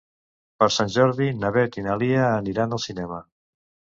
Per Sant Jordi na Beth i na Lia aniran al cinema.